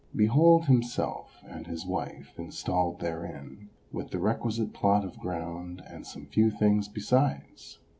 Behold himself and his wife installed therein, with the requisite plot of ground and some few things besides